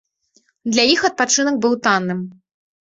Для іх адпачынак быў танным.